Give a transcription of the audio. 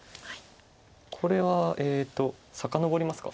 これはさかのぼりますか。